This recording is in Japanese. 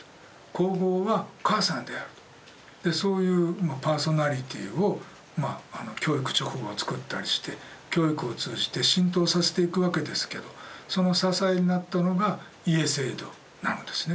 そういうパーソナリティーをまあ「教育勅語」をつくったりして教育を通じて浸透させていくわけですけどその支えになったのが「家制度」なのですね。